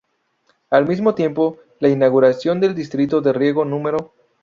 Al mismo tiempo, la inauguración del distrito de riego no.